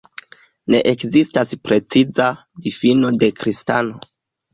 Ne ekzistas preciza difino de kristano.